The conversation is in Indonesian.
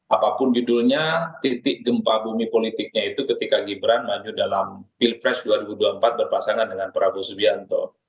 apapun judulnya titik gempa bumi politiknya itu ketika gibran maju dalam pilpres dua ribu dua puluh empat berpasangan dengan prabowo subianto